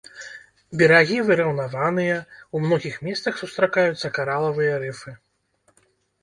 Берагі выраўнаваныя, у многіх месцах сустракаюцца каралавыя рыфы.